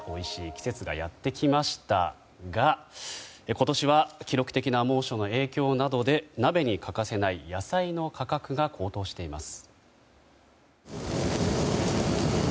季節がやってきましたが今年は記録的な猛暑の影響などで鍋に欠かせない野菜の価格が高騰しています。